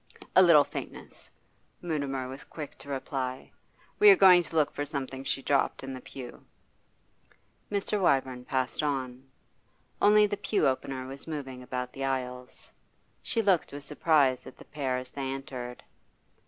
'A little faintness,' Mutimer was quick to reply. 'We are going to look for something she dropped in the pew.' Mr. Wyvern passed on. Only the pew opener was moving about the aisles. She looked with surprise at the pair as they entered.